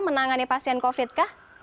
menangani pasien covid kah